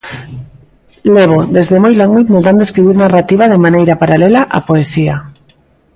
Levo desde moi longo intentando escribir narrativa de maneira paralela á poesía.